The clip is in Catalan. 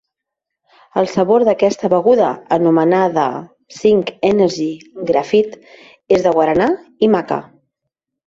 El sabor d'aquesta beguda, anomenada V Energy Graphite, és de guaranà i maca.